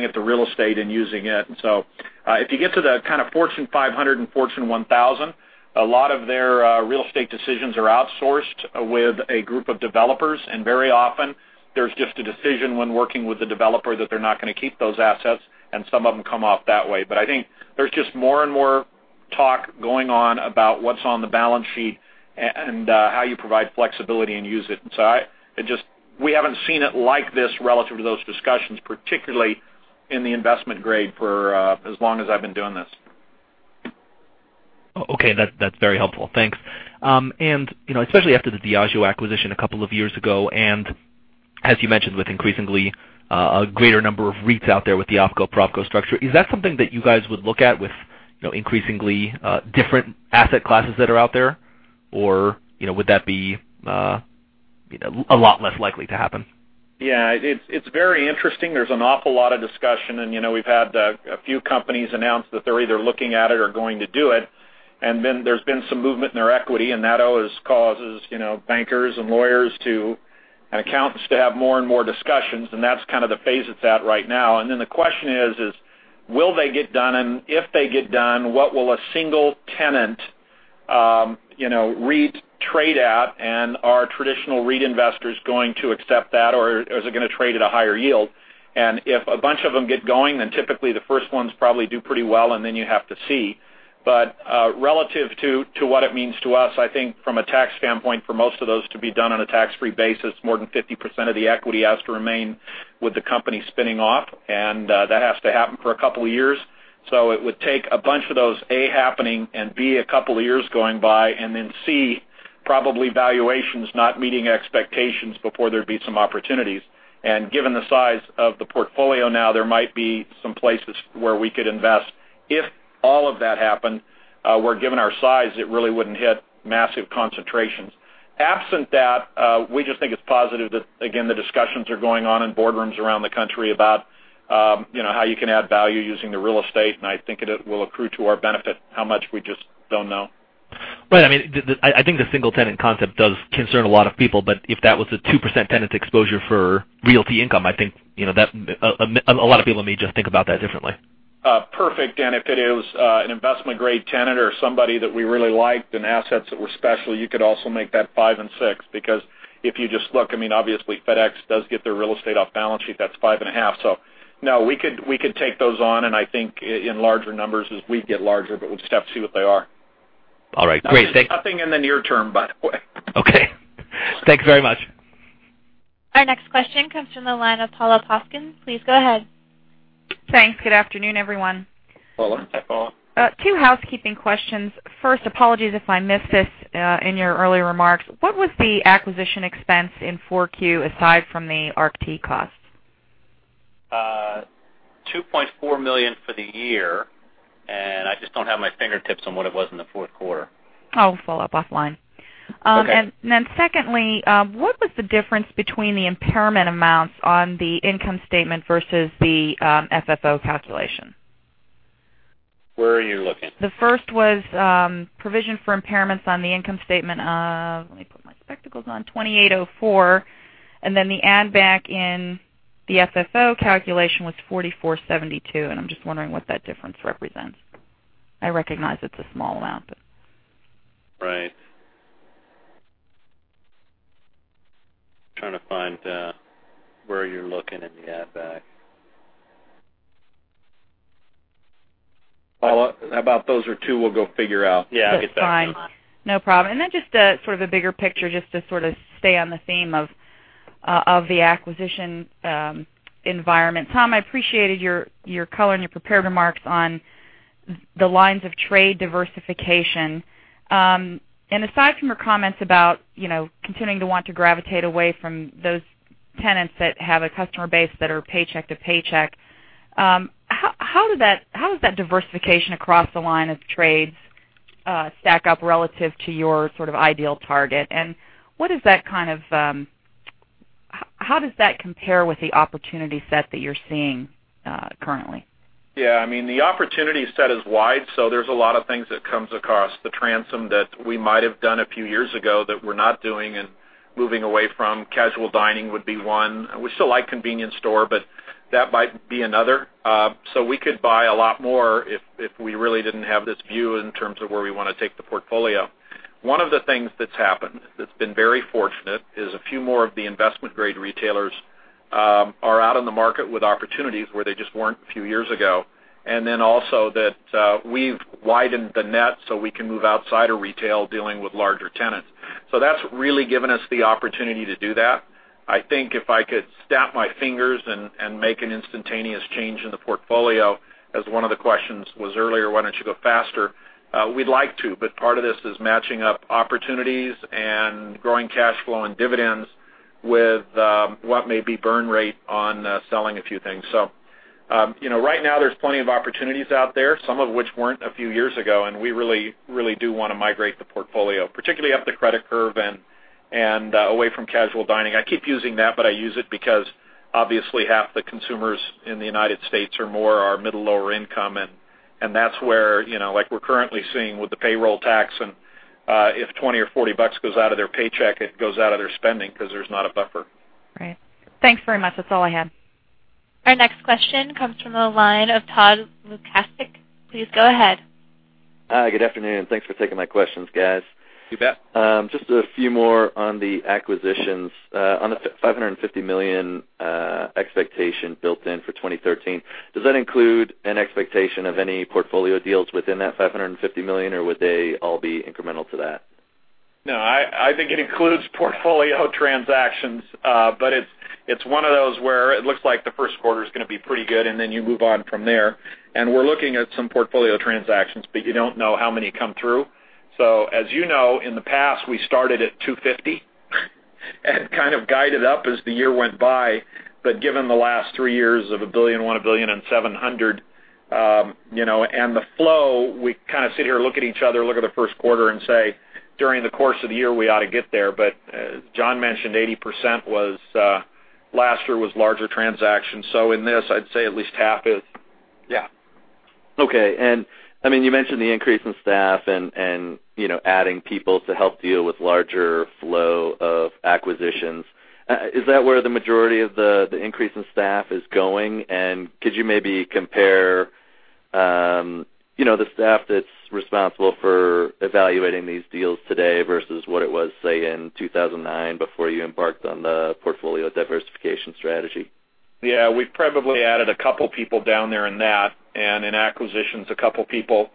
at the real estate and using it. If you get to the kind of Fortune 500 and Fortune 1000, a lot of their real estate decisions are outsourced with a group of developers, and very often there's just a decision when working with the developer that they're not going to keep those assets, and some of them come off that way. I think there's just more and more talk going on about what's on the balance sheet and how you provide flexibility and use it. We haven't seen it like this relative to those discussions, particularly in the investment grade for as long as I've been doing this. Okay. That's very helpful. Thanks. Especially after the Diageo acquisition a couple of years ago, as you mentioned, with increasingly a greater number of REITs out there with the OpCo, PropCo structure, is that something that you guys would look at with increasingly different asset classes that are out there? Would that be a lot less likely to happen? Yeah. It's very interesting. There's an awful lot of discussion, we've had a few companies announce that they're either looking at it or going to do it. There's been some movement in their equity, that always causes bankers and lawyers and accountants to have more and more discussions, that's kind of the phase it's at right now. The question is, will they get done? If they get done, what will a single tenant REIT trade at? Are traditional REIT investors going to accept that, or is it going to trade at a higher yield? If a bunch of them get going, typically the first ones probably do pretty well, you have to see. Relative to what it means to us, I think from a tax standpoint, for most of those to be done on a tax-free basis, more than 50% of the equity has to remain with the company spinning off, that has to happen for a couple of years. It would take a bunch of those, A, happening, B, a couple of years going by, C, probably valuations not meeting expectations before there'd be some opportunities. Given the size of the portfolio now, there might be some places where we could invest. If all of that happened, where given our size, it really wouldn't hit massive concentrations. Absent that, we just think it's positive that, again, the discussions are going on in boardrooms around the country about how you can add value using the real estate, I think it will accrue to our benefit. How much, we just don't know. Right. I think the single-tenant concept does concern a lot of people, if that was a 2% tenant exposure for Realty Income, I think a lot of people may just think about that differently. Perfect. If it is an investment-grade tenant or somebody that we really liked and assets that were special, you could also make that 5% and 6%. If you just look, obviously FedEx does get their real estate off balance sheet. That's 5.5%. No, we could take those on, I think in larger numbers as we get larger, we'll just have to see what they are. All right. Great. Nothing in the near term, by the way. Okay. Thanks very much. Our next question comes from the line of Paula Poskon. Please go ahead. Thanks. Good afternoon, everyone. Paula. Two housekeeping questions. First, apologies if I missed this in your earlier remarks. What was the acquisition expense in Q4 aside from the RPT cost? $2.4 million for the year. I just don't have my fingertips on what it was in the fourth quarter. I'll follow up offline. Okay. Secondly, what was the difference between the impairment amounts on the income statement versus the FFO calculation? Where are you looking? The first was provision for impairments on the income statement of, let me put my spectacles on, $2,804. Then the add back in the FFO calculation was $4,472. I'm just wondering what that difference represents. I recognize it's a small amount. Right. Trying to find where you're looking in the add back. Paula, how about those two we'll go figure out. Yeah, that's fine. No problem. Then just sort of a bigger picture, just to sort of stay on the theme of the acquisition environment. Tom, I appreciated your color and your prepared remarks on the lines of trade diversification. Aside from your comments about continuing to want to gravitate away from those tenants that have a customer base that are paycheck to paycheck, how does that diversification across the line of trades stack up relative to your sort of ideal target? How does that compare with the opportunity set that you're seeing currently? Yeah. The opportunity set is wide, so there's a lot of things that comes across the transom that we might have done a few years ago that we're not doing and moving away from. Casual dining would be one. We still like convenience store, but that might be another. We could buy a lot more if we really didn't have this view in terms of where we want to take the portfolio. One of the things that's happened that's been very fortunate is a few more of the investment-grade retailers are out on the market with opportunities where they just weren't a few years ago. Then also that we've widened the net so we can move outside of retail, dealing with larger tenants. That's really given us the opportunity to do that. I think if I could snap my fingers and make an instantaneous change in the portfolio, as one of the questions was earlier, why don't you go faster? We'd like to, but part of this is matching up opportunities and growing cash flow and dividends with what may be burn rate on selling a few things. Right now, there's plenty of opportunities out there, some of which weren't a few years ago, and we really do want to migrate the portfolio, particularly up the credit curve and away from casual dining. I keep using that, but I use it because obviously half the consumers in the United States or more are middle-lower income, and that's where we're currently seeing with the payroll tax, and if $20 or $40 goes out of their paycheck, it goes out of their spending because there's not a buffer. Right. Thanks very much. That's all I had. Our next question comes from the line of Todd Stender. Please go ahead. Hi. Good afternoon. Thanks for taking my questions, guys. You bet. Just a few more on the acquisitions. On the $550 million expectation built in for 2013, does that include an expectation of any portfolio deals within that $550 million, or would they all be incremental to that? I think it includes portfolio transactions. It's one of those where it looks like the first quarter's going to be pretty good, and then you move on from there. We're looking at some portfolio transactions, but you don't know how many come through. As you know, in the past, we started at $250 and kind of guided up as the year went by. Given the last three years of $1 billion and $1.7 billion, and the flow, we kind of sit here, look at each other, look at the first quarter and say, during the course of the year, we ought to get there. As John mentioned, 80% was last year was larger transactions. In this, I'd say at least half is. Yeah. Okay. You mentioned the increase in staff and adding people to help deal with larger flow of acquisitions. Is that where the majority of the increase in staff is going? Could you maybe compare the staff that's responsible for evaluating these deals today versus what it was, say, in 2009 before you embarked on the portfolio diversification strategy? Yeah. We've probably added a couple people down there in that, in acquisitions, a couple people.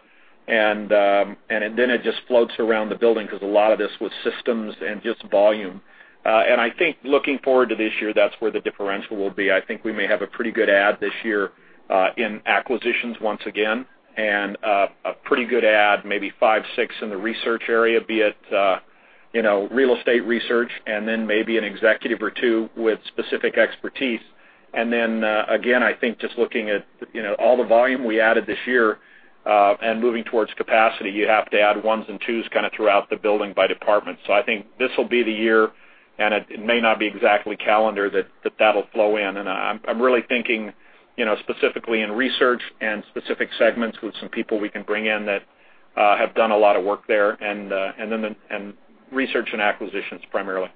Then it just floats around the building because a lot of this was systems and just volume. I think looking forward to this year, that's where the differential will be. I think we may have a pretty good add this year in acquisitions once again, and a pretty good add, maybe five, six in the research area, be it real estate research, then maybe an executive or two with specific expertise. Then, again, I think just looking at all the volume we added this year, and moving towards capacity, you have to add ones and twos kind of throughout the building by department. I think this'll be the year, and it may not be exactly calendar that that'll flow in. I'm really thinking, specifically in research and specific segments with some people we can bring in that have done a lot of work there, and research and acquisitions primarily.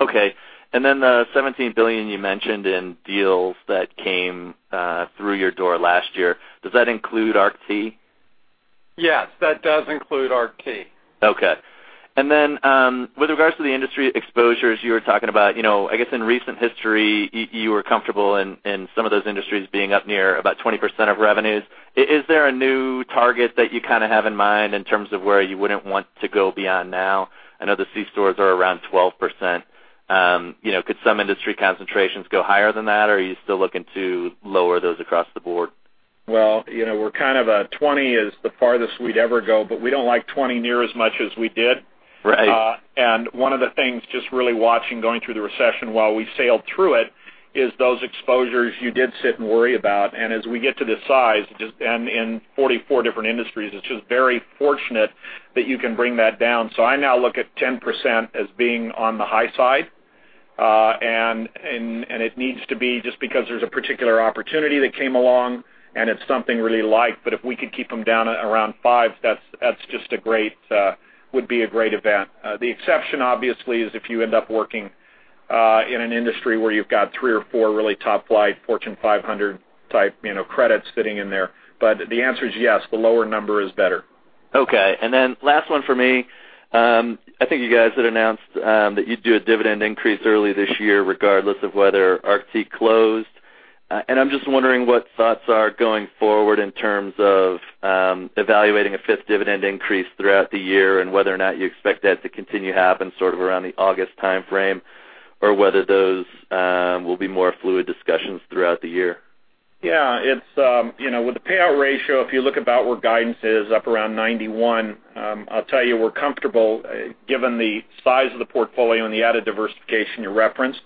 Okay. Then the $17 billion you mentioned in deals that came through your door last year, does that include ARCT? Yes, that does include ARCT. Okay. Then, with regards to the industry exposures you were talking about, I guess in recent history, you were comfortable in some of those industries being up near about 20% of revenues. Is there a new target that you have in mind in terms of where you wouldn't want to go beyond now? I know the c-stores are around 12%. Could some industry concentrations go higher than that, or are you still looking to lower those across the board? Well, 20 is the farthest we'd ever go, but we don't like 20 near as much as we did. Right. One of the things just really watching going through the recession while we sailed through it is those exposures you did sit and worry about. As we get to this size, and in 44 different industries, it's just very fortunate that you can bring that down. I now look at 10% as being on the high side. It needs to be just because there's a particular opportunity that came along, and it's something really light. If we could keep them down around five, that would be a great event. The exception, obviously, is if you end up working in an industry where you've got three or four really top-flight Fortune 500-type credits sitting in there. The answer is yes. The lower number is better. Okay. Then last one for me. I think you guys had announced that you'd do a dividend increase early this year, regardless of whether ARCT closed. I'm just wondering what thoughts are going forward in terms of evaluating a fifth dividend increase throughout the year, and whether or not you expect that to continue to happen sort of around the August timeframe, or whether those will be more fluid discussions throughout the year. With the payout ratio, if you look about where guidance is, up around 91%, I'll tell you we're comfortable given the size of the portfolio and the added diversification you referenced.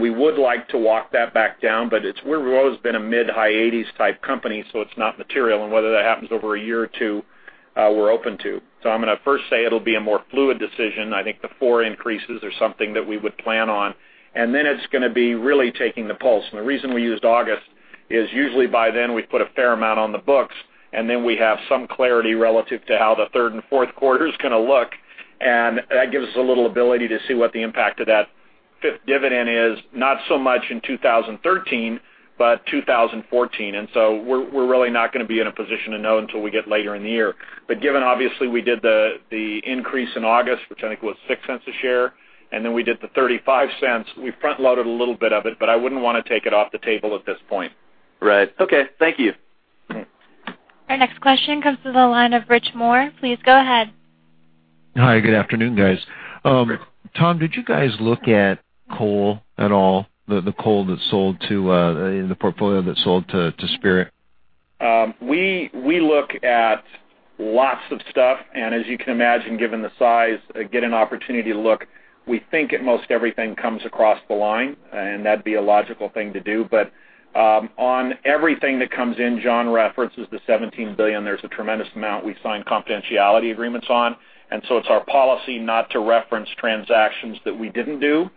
We would like to walk that back down, we've always been a mid-high 80s% type company, so it's not material. Whether that happens over a year or two, we're open to. I'm going to first say it'll be a more fluid decision. I think the four increases are something that we would plan on. It's going to be really taking the pulse. The reason we used August is usually by then we've put a fair amount on the books, we have some clarity relative to how the third and fourth quarter is going to look. That gives us a little ability to see what the impact of that fifth dividend is, not so much in 2013, but 2014. We're really not going to be in a position to know until we get later in the year. Given obviously we did the increase in August, which I think was $0.06 a share, we did the $0.35. We front-loaded a little bit of it, I wouldn't want to take it off the table at this point. Right. Okay. Thank you. Okay. Our next question comes to the line of Rich Moore. Please go ahead. Hi. Good afternoon, guys. Tom, did you guys look at Cole at all? The Cole that sold to in the portfolio that sold to Spirit? We look at lots of stuff. As you can imagine, given the size, get an opportunity to look. We think at most everything comes across the line, that'd be a logical thing to do. On everything that comes in, John references the $17 billion. There's a tremendous amount we sign confidentiality agreements on. It's our policy not to reference transactions that we didn't do.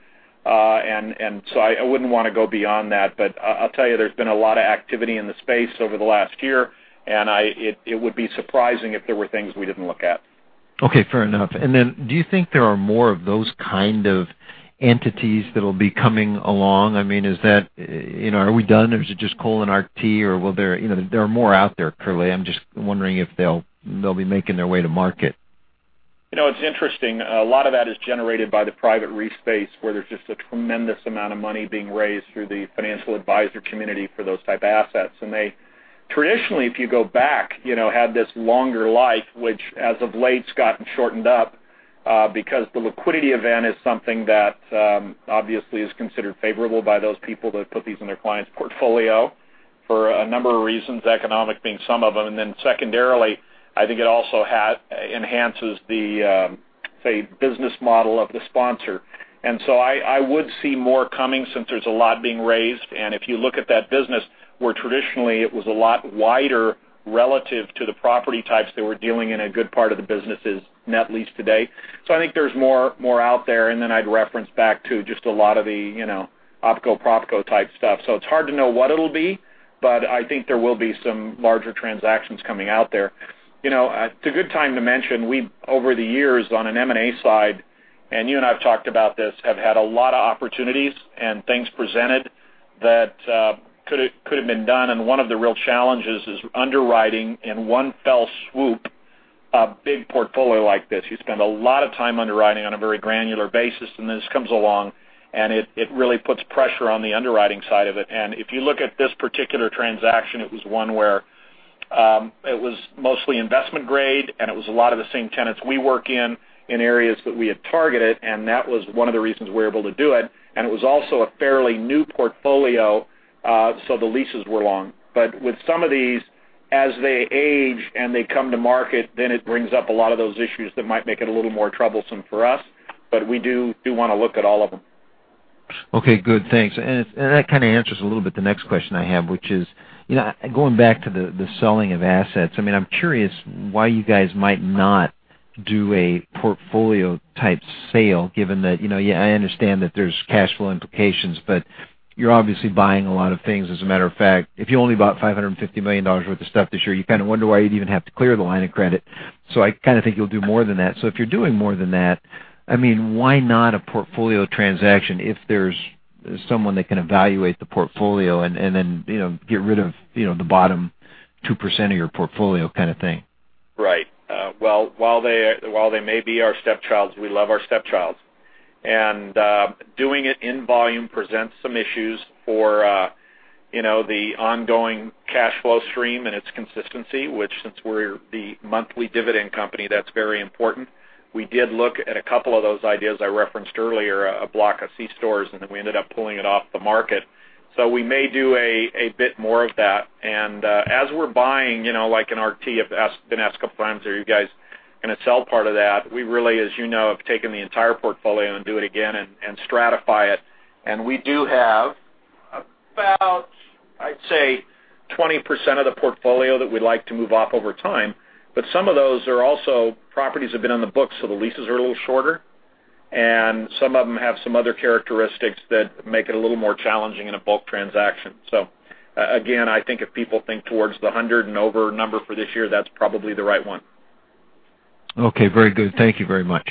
I wouldn't want to go beyond that. I'll tell you, there's been a lot of activity in the space over the last year, it would be surprising if there were things we didn't look at. Okay. Fair enough. Do you think there are more of those kind of entities that'll be coming along? Are we done, or is it just Cole and ARCT? There are more out there currently. I'm just wondering if they'll be making their way to market. It's interesting. A lot of that is generated by the private REIT space where there's just a tremendous amount of money being raised through the financial advisor community for those type assets. They traditionally, if you go back, had this longer life, which as of late has gotten shortened up, because the liquidity event is something that obviously is considered favorable by those people that put these in their client's portfolio for a number of reasons, economic being some of them. Secondarily, I think it also enhances the Say, business model of the sponsor. I would see more coming since there's a lot being raised. If you look at that business, where traditionally it was a lot wider relative to the property types that we're dealing in a good part of the business is net lease today. I think there's more out there. I'd reference back to just a lot of the OpCo, PropCo type stuff. It's hard to know what it'll be, but I think there will be some larger transactions coming out there. It's a good time to mention, we, over the years on an M&A side, and you and I have talked about this, have had a lot of opportunities and things presented that could've been done, and one of the real challenges is underwriting in one fell swoop, a big portfolio like this. You spend a lot of time underwriting on a very granular basis, and this comes along, and it really puts pressure on the underwriting side of it. If you look at this particular transaction, it was one where it was mostly investment-grade, and it was a lot of the same tenants we work in areas that we had targeted, and that was one of the reasons we were able to do it. It was also a fairly new portfolio, so the leases were long. With some of these, as they age and they come to market, then it brings up a lot of those issues that might make it a little more troublesome for us. We do want to look at all of them. Okay, good. Thanks. That kind of answers a little bit the next question I have, which is, going back to the selling of assets. I'm curious why you guys might not do a portfolio-type sale. I understand that there's cash flow implications, but you're obviously buying a lot of things. As a matter of fact, if you only bought $550 million worth of stuff this year, you kind of wonder why you'd even have to clear the line of credit. I kind of think you'll do more than that. If you're doing more than that, why not a portfolio transaction if there's someone that can evaluate the portfolio and then get rid of the bottom 2% of your portfolio kind of thing? Right. Well, while they may be our stepchilds, we love our stepchilds. Doing it in volume presents some issues for the ongoing cash flow stream and its consistency, which since we're the monthly dividend company, that's very important. We did look at a couple of those ideas I referenced earlier, a block of c-stores, and then we ended up pulling it off the market. We may do a bit more of that. As we're buying, like ARCT, I have been asked are you guys going to sell part of that, we really, as you know, have taken the entire portfolio and do it again and stratify it. We do have about, I'd say, 20% of the portfolio that we'd like to move off over time. Some of those are also properties that have been on the books, the leases are a little shorter. Some of them have some other characteristics that make it a little more challenging in a bulk transaction. Again, I think if people think towards the 100 and over number for this year, that's probably the right one. Okay, very good. Thank you very much.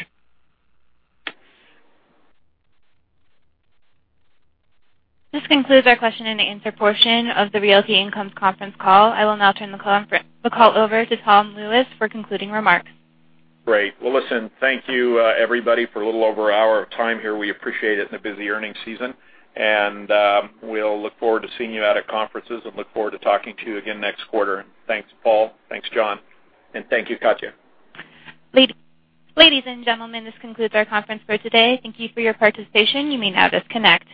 This concludes our question and answer portion of the Realty Income conference call. I will now turn the call over to Tom Lewis for concluding remarks. Great. Well, listen, thank you everybody for a little over an hour of time here. We appreciate it in a busy earnings season. We'll look forward to seeing you out at conferences and look forward to talking to you again next quarter. Thanks, Paul. Thanks, John. Thank you, Katia. Ladies and gentlemen, this concludes our conference for today. Thank you for your participation. You may now disconnect.